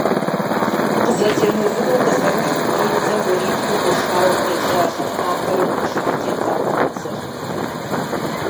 Къызэтемыувыӏэу къызэрыхь биидзэм уэриплӏу гуэшауэ пежьащ алъандэрэ бгыщхьэм тета уэркъыдзэр.